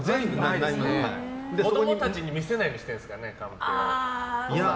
子供たちに見せないようにしてるんですかね？